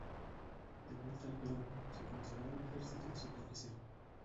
De vuelta al Perú, se consagró al ejercicio de su profesión.